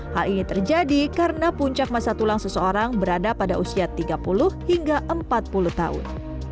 hal ini terjadi karena puncak masa tulang seseorang berada pada usia tiga puluh hingga empat puluh tahun